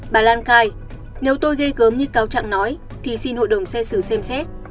bà lan khai nếu tôi gây gớm như cáo trạng nói thì xin hội đồng xét xử xem xét